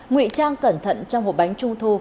ngụy trang cẩn thận trong hộp bánh trung thu